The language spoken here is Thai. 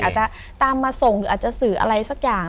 อาจจะตามมาส่งหรืออาจจะสื่ออะไรสักอย่าง